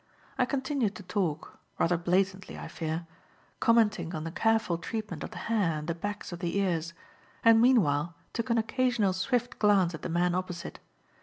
I continued to talk rather blatantly, I fear commenting on the careful treatment of the hair and the backs of the ears; and meanwhile took an occasional swift glance at the man opposite.